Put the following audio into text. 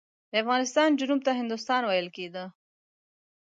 د افغانستان جنوب ته هندوستان ویل کېده.